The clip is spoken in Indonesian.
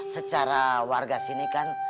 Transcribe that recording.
secara warga sini kan